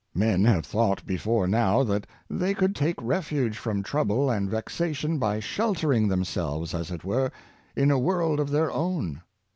Men have thought before now that they could take refuge from trouble and vexation by sheltering themselves, as it were, in a world of their own.